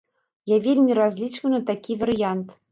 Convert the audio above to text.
Я вельмі разлічваю на такі варыянт.